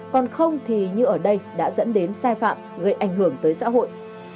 còn không thì như ở đây đã dẫn đến sai phạm gây ảnh hưởng tới xã hội